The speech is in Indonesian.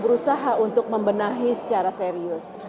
berusaha untuk membenahi secara serius